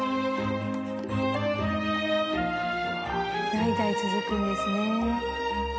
代々続くんですね。